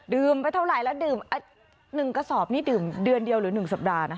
ไปเท่าไหร่แล้วดื่ม๑กระสอบนี่ดื่มเดือนเดียวหรือ๑สัปดาห์นะ